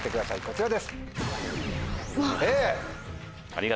こちらです。